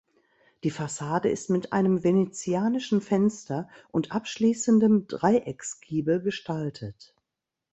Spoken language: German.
Die Fassade ist mit einem venezianischen Fenster und abschließendem Dreiecksgiebel gestaltet.